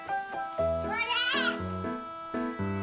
これ！